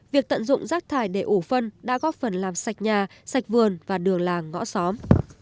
việc tận dụng rác thải để ủ phân đã góp phần làm sạch nhà sạch vườn và đường làng ngõ xóm